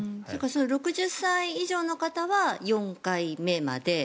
６０歳以上の方は４回目まで。